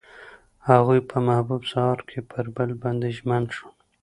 هغوی په محبوب سهار کې پر بل باندې ژمن شول.